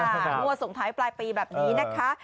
งวดส่งท้ายปลายปีแบบนี้นะคะ